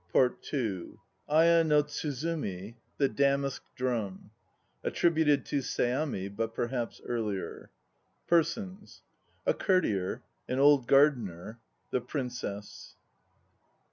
AYA NO TSUZUMI (THE DAMASK DRUM) ATTRIBUTED TO SEAMI, BUT PERHAPS EARLIER. PERSONS A COURTIER. AN OLD GARDENER. THE PRINCESS.